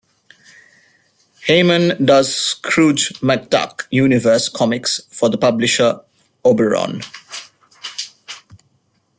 Heyman does Scrooge McDuck universe comics for the publisher Oberon.